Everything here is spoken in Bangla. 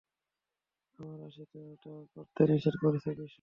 আমার রাশি তো এটা করতে নিষেধ করছে, বিশু।